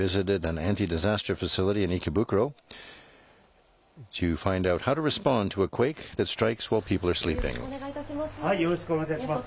きょうはよろしくお願いいたします。